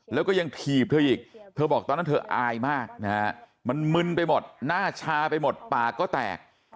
แล้วก็ยังถีบเธออีกเธอบอกตอนนั้นเธออายมากนะฮะมันมึนไปหมดหน้าชาไปหมดปากก็แตก